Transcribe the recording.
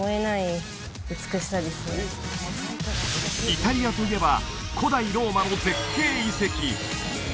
イタリアといえば古代ローマの絶景遺跡